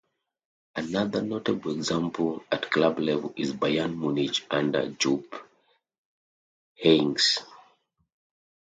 Another notable example at club level is Bayern Munich under Jupp Heynckes.